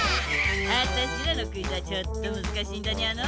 あたしらのクイズはちょっとむずかしいんじゃにゃの？